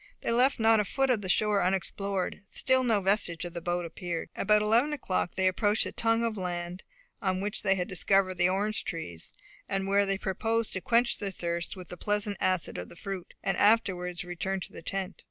They left not a foot of the shore unexplored; still no vestige of the boat appeared. About eleven o'clock they approached the tongue of land on which they had discovered the orange trees, and where they proposed to quench their thirst with the pleasant acid of the fruit, and afterwards to return to the tent.